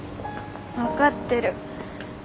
分かってる。